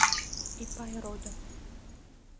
Ипай родо!